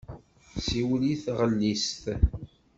Siwel i taɣellist!